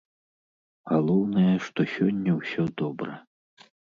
Галоўнае, што сёння ўсё добра.